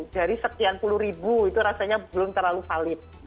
dari sekian puluh ribu itu rasanya belum terlalu valid